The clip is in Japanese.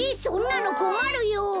そんなのこまるよ。